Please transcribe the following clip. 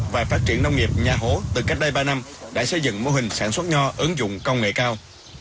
và phát triển nông nghiệp nhà hố từ cách đây ba năm đã xây dựng mô hình sản xuất nho ứng dụng công nghệ cao